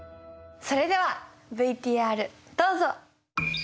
それではＶＴＲどうぞ。